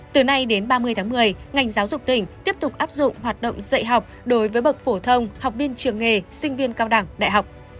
từ nay đến ba mươi tháng một mươi ngành giáo dục tỉnh tiếp tục áp dụng hoạt động dạy học đối với bậc phổ thông học viên trường nghề sinh viên cao đẳng đại học